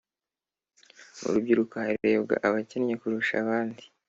murubyiruko harebwa abakennye kurusha abandi